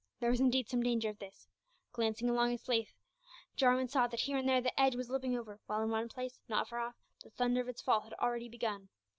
There was, indeed, some danger of this. Glancing along its length, Jarwin saw that here and there the edge was lipping over, while in one place, not far off, the thunder of its fall had already begun.